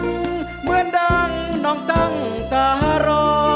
เหมือนดังน้องตั้งตารอ